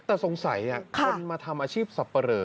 แต่สงสัยคนมาทำอาชีพสับปะเลอ